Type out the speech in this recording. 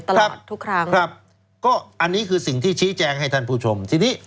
ตลอดทุกครั้งก็อันนี้คือสิ่งที่ชี้แจงให้ท่านผู้ชม